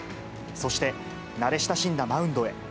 そして、慣れ親しんだマウンドへ。